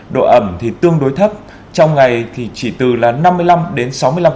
độ ẩm thì tương đối thấp trong ngày thì chỉ từ là năm mươi năm đến sáu mươi năm